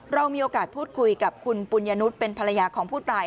เรามีโอกาสพูดคุยกับคุณปุญญนุษย์เป็นภรรยาของผู้ตาย